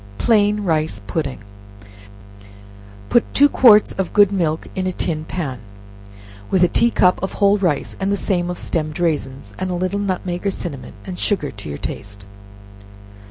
Plain Rice Pudding. Put two quarts of good milk in a tin pan, with a tea cup of whole rice, the same of stemmed raisins, and a little nutmeg or cinnamon, and sugar to your taste.